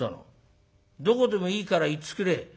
どこでもいいから行っつくれ」。